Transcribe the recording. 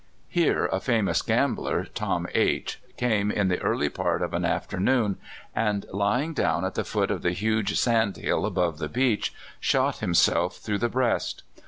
Here a famous gambler, Tom H , came in the early part of an afternoon, and lying down at the foot of the huge sand hill above the beach, shot himself throu<rh the breast.